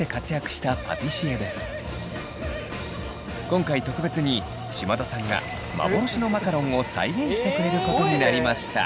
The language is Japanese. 今回特別に島田さんが幻のマカロンを再現してくれることになりました。